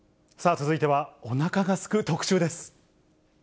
続いては、おなかがすく特集です。